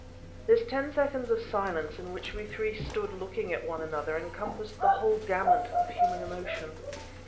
This ten seconds of silence in which we three stood looking at one another encompassed the whole gamut of human emotion.